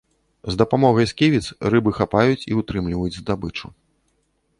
З дапамогай сківіц рыбы хапаюць і ўтрымліваюць здабычу.